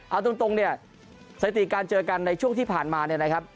เอาตรงเนี่ยสถิติการเจอกันในช่วงที่ผ่านมาเนี่ยนะครับ